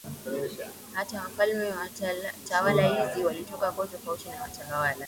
Hata wafalme wa tawala hizi walitoka koo tofauti na tawala